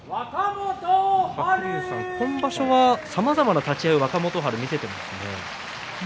鶴竜さん、今場所さまざまな立ち合いを若元春、見せていますね。